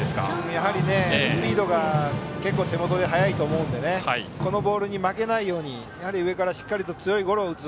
やはりスピードが手元で速いと思うのでこのボールに負けないようにやはり、上からしっかりと強いゴロを打つ。